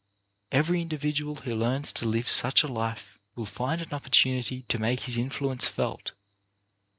Every individual who learns to live such a life will find an opportunity to make his influence felt.